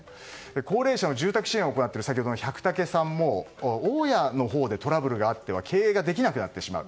高齢者の住宅支援を行っている先ほどの百武さんも大家のほうでトラブルがあったら経営ができなくなってしまう。